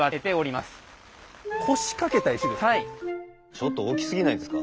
ちょっと大きすぎないですか？